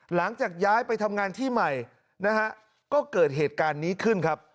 หลังจากย้ายไปทำงานที่ใหม่นะฮะก็เกิดเหตุการณ์นี้ขึ้นครับ